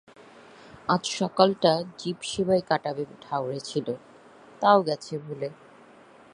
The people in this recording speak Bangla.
আজ সকালটা জীবসেবায় কাটাবে ঠাউরেছিল, তাও গেছে ভুলে।